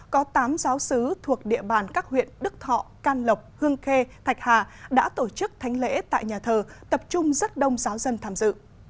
có tám giáo sứ thuộc địa bàn các huyện đức thọ can lộc hương khê thạch hà đã tổ chức thánh lễ tại nhà thờ tập trung rất đông giáo dân tham dự